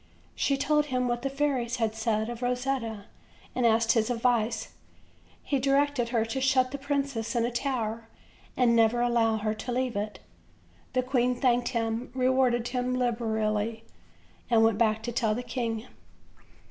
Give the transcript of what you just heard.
She told him what the fairies had said of Rosetta, and asked his ad vice. He directed her to shut the princess in a tower, and never allow her to leave it. The queen thanked him, rewarded him liberally, and went back to tell the king.